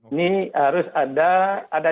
ini harus ada